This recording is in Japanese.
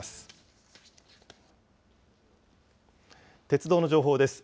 鉄道の情報です。